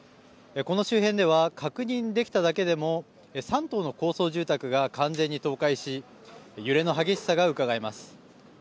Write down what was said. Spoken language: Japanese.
この周辺では確認できただけでも３棟の高層住宅が完全に倒壊し揺れの激しさがうかがえます。